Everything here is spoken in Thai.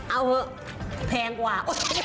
เอาเถอะแพงกว่า